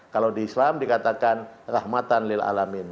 kalau di islam dikatakan rahmatan lil'alamin